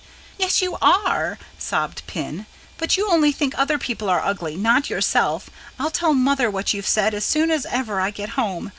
"Yes, you are," sobbed Pin. "But you only think other people are ugly, not yourself I'll tell mother what you've said as soon as ever I get home.